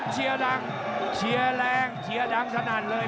เชียวดังเชียวแรงเชียวดังสนานเลย